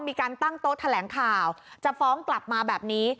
มีการตั้งโต๊ะแถลงข่าวจะฟ้องกลับมาแบบนี้